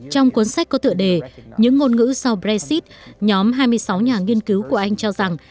trong cuốn sách có tựa đề những ngôn ngữ sau brexit nhóm hai mươi sáu nhà nghiên cứu của anh cho rằng